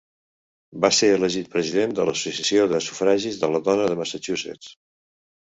Va ser elegit president de l'Associació de sufragis de la dona de Massachusetts.